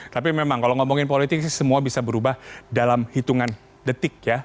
tapi memang kalau ngomongin politik sih semua bisa berubah dalam hitungan detik ya